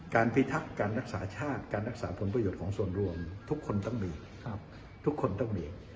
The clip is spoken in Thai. การพิทักษ์การรักษาชาติการรักษาผลประโยชน์ของส่วนรวมทุกคนต้องมี